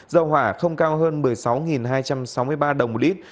dầu hỏa không cao hơn một mươi sáu hai trăm sáu mươi ba đồng một lít